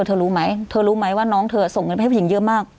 เธอรู้ไหมเธอรู้ไหมว่าน้องเธอส่งเงินไปให้ผู้หญิงเยอะมาก